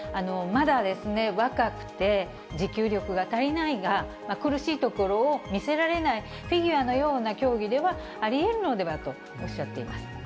まだ若くて、持久力が足りないが、苦しいところを見せられないフィギュアのような競技では、ありえるのではとおっしゃっています。